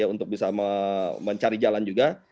untuk bisa mencari jalan juga